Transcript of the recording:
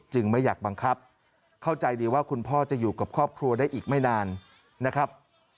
ไม่อยากบังคับเข้าใจดีว่าคุณพ่อจะอยู่กับครอบครัวได้อีกไม่นานนะครับ